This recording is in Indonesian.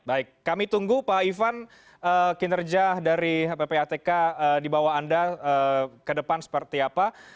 baik kami tunggu pak ivan kinerja dari ppatk di bawah anda ke depan seperti apa